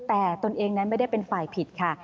แต่ตนเองนั้นไม่ได้เป็นฝ่ายผิดค่ะ